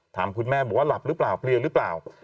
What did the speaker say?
ถามคุณแม่บอกว่าหลับหรือเปล่าเพลียวหรือเปล่า